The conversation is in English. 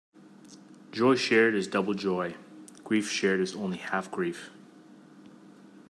Joy shared is double joy; grief shared is only half grief.